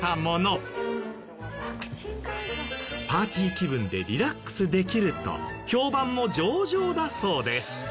パーティー気分でリラックスできると評判も上々だそうです。